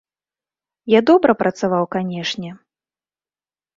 Я добра працаваў, канечне.